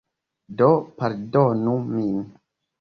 Do, pardonu min.